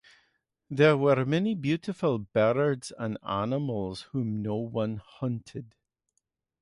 There were many beautiful birds and animals whom no one hunted.